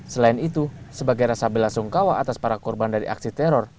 selain itu sebagai rasa bela sungkawa atas para korban dari aksi teror